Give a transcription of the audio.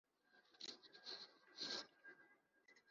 baziranda ku y’imbuzi